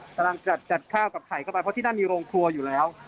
กำลังจัดข้าวกับไข่เข้าไปเพราะที่นั่นมีโรงครัวอยู่แล้ว